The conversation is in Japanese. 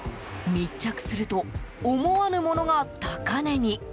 密着すると思わぬものが高値に。